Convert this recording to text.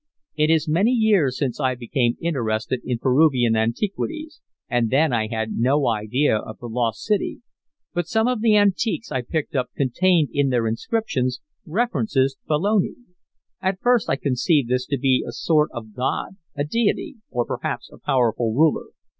"It is many years since I became interested in Peruvian antiquities, and then I had no idea of the lost city. But some of the antiques I picked up contained in their inscriptions references to Pelone. At first I conceived this to be a sort of god, a deity, or perhaps a powerful ruler.